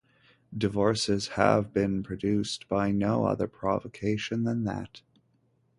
Divorces have been produced by no other provocation than that.